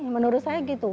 menurut saya gitu